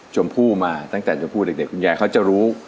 ชมพู่มาตั้งแต่ชมพู่เด็กคุณยายเขาจะรู้